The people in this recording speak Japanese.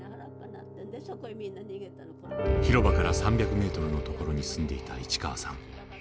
広場から３００メートルの所に住んでいた市川さん。